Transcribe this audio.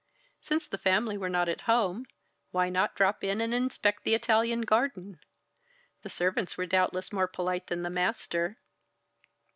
Since the family were not at home, why not drop in and inspect the Italian garden? The servants were doubtless more polite than the master.